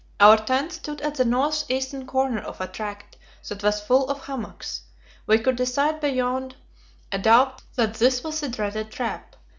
Our tent stood at the north eastern corner of a tract that was full of hummocks; we could decide beyond a doubt that this was the dreaded trap.